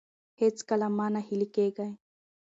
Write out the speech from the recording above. هیڅکله مه نه هیلي کیږئ.